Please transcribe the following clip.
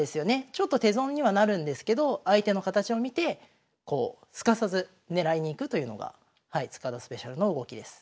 ちょっと手損にはなるんですけど相手の形を見てこうすかさず狙いに行くというのが塚田スペシャルの動きです。